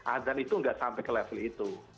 adan itu tidak sampai ke level itu